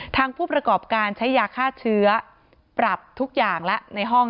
ผู้ประกอบการใช้ยาฆ่าเชื้อปรับทุกอย่างและในห้อง